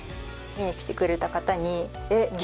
見に来てくれた方に「えっ？